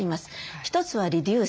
１つはリデュース。